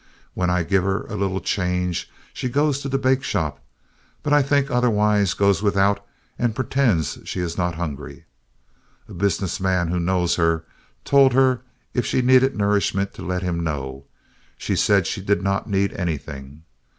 When I give her a little change, she goes to the bake shop, but I think otherwise goes without and pretends she is not hungry. A business man who knows her told her if she needed nourishment to let him know; she said she did not need anything.